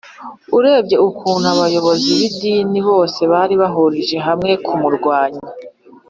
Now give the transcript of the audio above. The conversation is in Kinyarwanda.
urebye ukuntu abayobozi b’idini bose bari bahurije hamwe kumurwanya